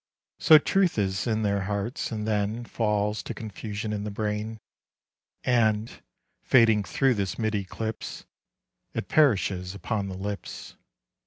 So truth is in their hearts, and then Falls to confusion in the brain, And, fading through this mid eclipse, It perishes upon the lips.